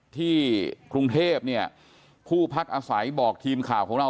ที่กรุงเทพเนี่ยผู้พักอาศัยบอกทีมข่าวของเรา